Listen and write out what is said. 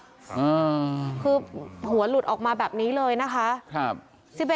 คือหัวหลุดออกมาแบบนี้เลยนะคะ